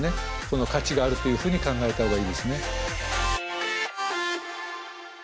価値があるというふうに考えたほうがいいですね。